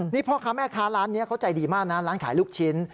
นี่พ่อค้าแม่ค้าร้านนี้เขาใจดีมากนะร้านขายลูกชิ้น